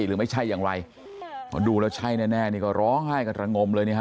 หรือไม่ใช่อย่างไรเพราะดูแล้วใช่แน่แน่นี่ก็ร้องไห้กระงมเลยนะฮะ